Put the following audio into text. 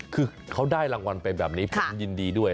คือเขาได้รางวัลไปแบบนี้ผมยินดีด้วย